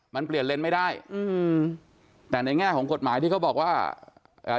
มันเปลี่ยนเลนส์ไม่ได้อืมแต่ในแง่ของกฎหมายที่เขาบอกว่าอ่า